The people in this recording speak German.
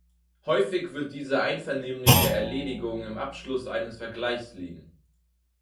Häufig wird diese einvernehmliche Erledigung im Abschluss eines Vergleichs liegen.